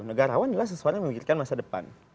negarawan adalah sesuatu yang memikirkan masa depan